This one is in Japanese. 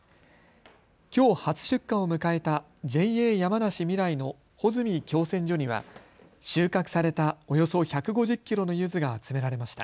きょう初出荷を迎えたＪＡ山梨みらいの穂積共選所には収穫されたおよそ１５０キロのゆずが集められました。